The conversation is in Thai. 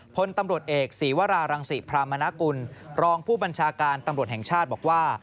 พลตำรวจเอกศีวรารังศิพรามนากุลรองผู้บัญชาการตำรวจแห่งชาติบอกว่า